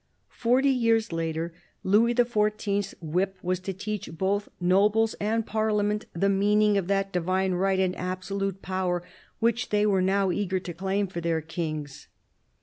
Forty years later, Louis XIV.'s whip was to teach both nobles and Parliament the meaning of that divine right and absolute power which they were now eager to claim for their kings.